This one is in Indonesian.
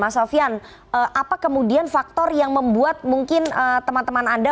mas sofian apa kemudian faktor yang membuat mungkin teman teman anda